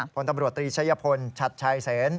ผลตำรวจตรีชะยะพลชัชใสน